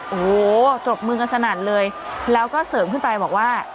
โอ้โหปรบมือกันสนั่นเลยแล้วก็เสริมขึ้นไปบอกว่า